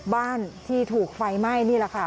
บ้านที่ถูกไฟไหม้นี่แหละค่ะ